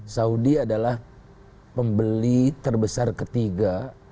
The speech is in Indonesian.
saudi adalah pembeli terbesar ketiga